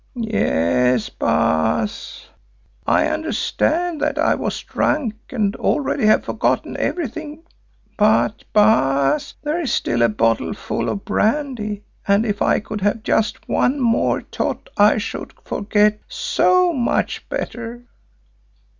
"Yes, Baas, I understand that I was drunk and already have forgotten everything. But, Baas, there is still a bottle full of brandy and if I could have just one more tot I should forget so much better!"